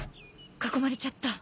囲まれちゃった。